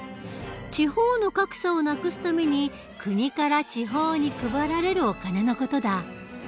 地方の格差をなくすために国から地方に配られるお金の事だ。